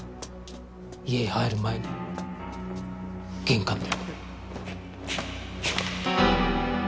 家へ入る前に玄関で。